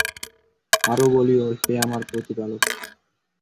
আরো বলিও, হে আমার প্রতিপালক!